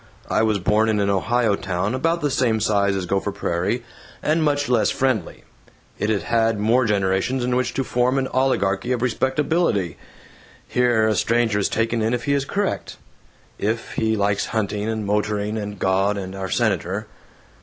I was born in an Ohio town about the same size as Gopher Prairie, and much less friendly. It'd had more generations in which to form an oligarchy of respectability. Here, a stranger is taken in if he is correct, if he likes hunting and motoring and God and our Senator.